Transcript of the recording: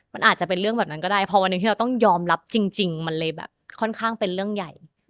มันอาจจะเป็นเรื่องแบบนั้นก็ได้พอวันหนึ่งที่เราต้องยอมรับจริงมันเลยแบบค่อนข้างเป็นเรื่องใหญ่